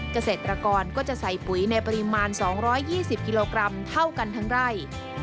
เกษตรกรก็จะใส่ปุ๋ยในปริมาณ๒๒๐กิโลกรัมเท่ากันทั้งไร่